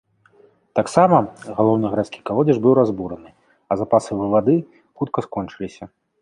Таксама, галоўны гарадскі калодзеж быў разбураны, а запасы воды хутка скончыліся.